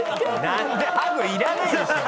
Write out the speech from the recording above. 「なんでハグいらないでしょ」